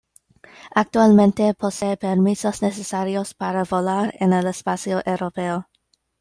Actualmente posee permisos necesarios para volar en el espacio europeo.